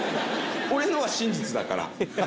「俺の」は真実だから。